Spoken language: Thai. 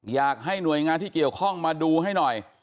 อยากให้หน่วยงานที่เกี่ยวข้องมาดูให้หน่อย